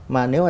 mà nếu mà